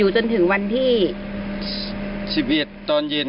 ก็นั่งที่นี่